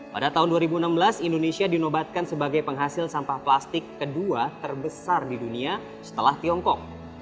pada tahun dua ribu enam belas indonesia dinobatkan sebagai penghasil sampah plastik kedua terbesar di dunia setelah tiongkok